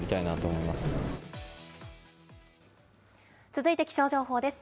続いて気象情報です。